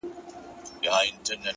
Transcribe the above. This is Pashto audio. • تل به گرځېدی په مار پسي پر پولو,